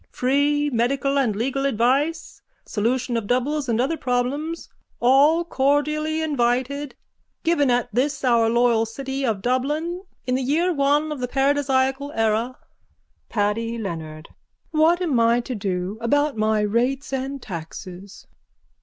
Free medical and legal advice, solution of doubles and other problems. All cordially invited. Given at this our loyal city of Dublin in the year 1 of the Paradisiacal Era. PADDY LEONARD: What am I to do about my rates and taxes?